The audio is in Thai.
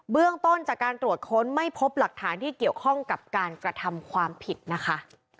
เรื่องต้นจากการตรวจค้นไม่พบหลักฐานที่เกี่ยวข้องกับการกระทำความผิดนะคะ